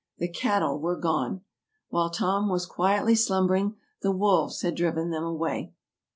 The cattle were gone ! While Tom was quietly slumbering the wolves had driven them away.